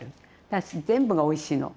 だし全部がおいしいの。